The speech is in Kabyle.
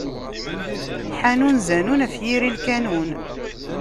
Ḥanun zanun, ɣef yiri n lkanun.